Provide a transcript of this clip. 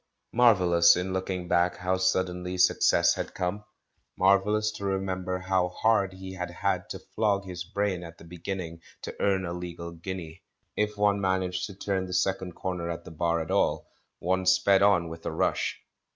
Marvellous, in looking back, how suddenlj' suc cess had come! — marvellous to remember how hard he had had to flog his brain at the beginning to earn a legal guinea ; if one managed to turn the second corner at the Bar at all, one sped on with a rush.